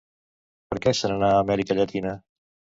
Per què se n'anà a Amèrica Llatina?